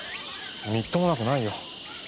みっともなくないよ。